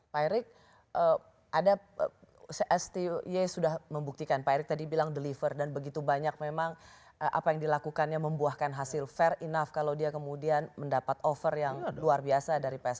pak erik ada sti sudah membuktikan pak erick tadi bilang deliver dan begitu banyak memang apa yang dilakukannya membuahkan hasil fair enough kalau dia kemudian mendapat over yang luar biasa dari pssi